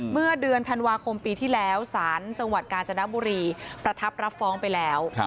เมื่อเดือนธันวาคมปีที่แล้วศาลจังหวัดกาญจนบุรีประทับรับฟ้องไปแล้ว